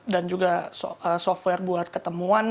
dan juga software buat ketemuan